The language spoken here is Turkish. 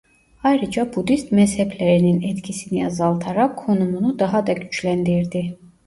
Ayrıca Budist mezheplerinin etkisini azaltarak konumunu daha da güçlendirdi.